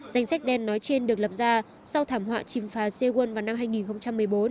danh sách đen nói trên được lập ra sau thảm họa chìm phá sewon vào năm hai nghìn một mươi bốn